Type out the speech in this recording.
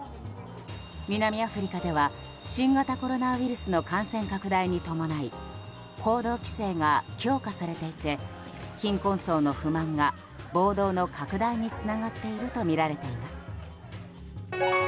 南アフリカでは新型コロナウイルスの感染拡大に伴い行動規制が強化されていて貧困層の不満が暴動の拡大につながっているとみられています。